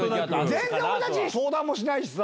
全然俺たちに相談もしないしさ。